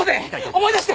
思い出して。